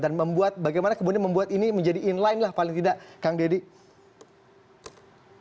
dan membuat bagaimana kemudian membuat ini menjadi inline lah paling tidak kang deddy